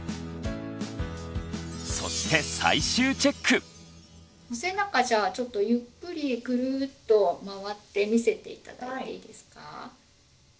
そしてお背中じゃあちょっとゆっくりグルッと回って見せて頂いていいですか。